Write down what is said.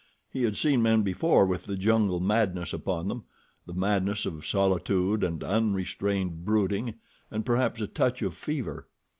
He had seen men before with the jungle madness upon them—the madness of solitude and unrestrained brooding, and perhaps a touch of fever.